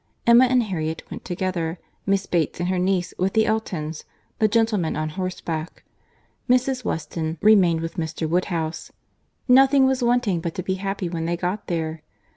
Emma and Harriet went together; Miss Bates and her niece, with the Eltons; the gentlemen on horseback. Mrs. Weston remained with Mr. Woodhouse. Nothing was wanting but to be happy when they got there.